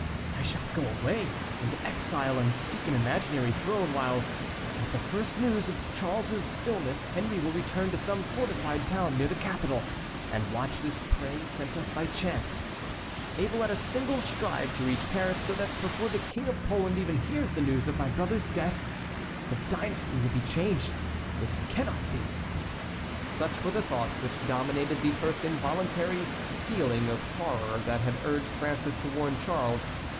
I shall go away, into exile, and seek an imaginary throne, while at the first news of Charles's illness Henry will return to some fortified town near the capital, and watch this prey sent us by chance, able at a single stride to reach Paris; so that before the King of Poland even hears the news of my brother's death the dynasty will be changed. This cannot be!" Such were the thoughts which dominated the first involuntary feeling of horror that had urged François to warn Charles.